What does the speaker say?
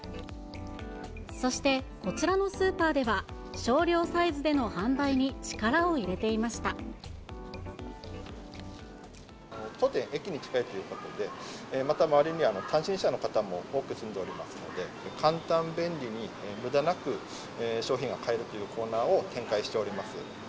そして、こちらのスーパーでは、少量サイズでの販売に力を入れて当店、駅に近いということで、また周りには単身者の方も多く住んでおりますので、簡単、便利に、むだなく、商品が買えるというコーナーを展開しております。